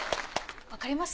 わかります？